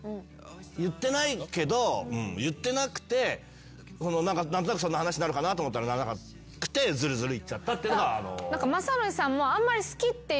言ってないけど言ってなくて何となくそんな話になるのかなと思ったらならなくてずるずるいっちゃったっていうのが。